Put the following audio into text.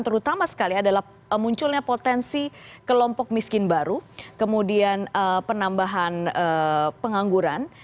terutama sekali adalah munculnya potensi kelompok miskin baru kemudian penambahan pengangguran